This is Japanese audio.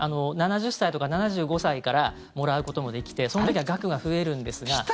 ７０歳とか７５歳からもらうこともできてその時は額が増えるんですが。